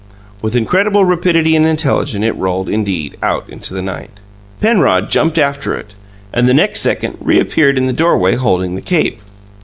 With incredible rapidity and intelligence, it rolled, indeed, out into the night. Penrod jumped after it, and the next second reappeared in the doorway holding the cape.